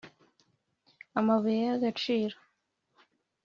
amabuye y agaciro